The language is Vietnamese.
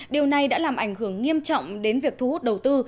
điều này đã làm ảnh hưởng nghiêm trọng đến việc thu hút đầu tư